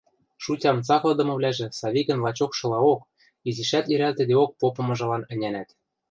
Шутям цаклыдымывлӓжӹ Савикӹн лачокшылаок, изишӓт йӹрӓлтӹдеок попымыжылан ӹнянӓт